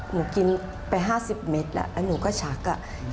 หนูกินไป๕๐เมตรแล้วแล้วหนูก็ชัก